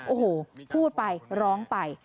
โอ้โหพูดไปร้องไป